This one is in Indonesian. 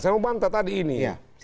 saya mau bantah tadi ini